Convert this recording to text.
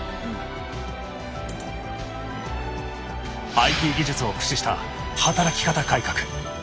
ＩＴ技術を駆使した働き方改革。